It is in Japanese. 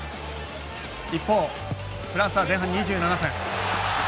一方、フランスは前半２７分。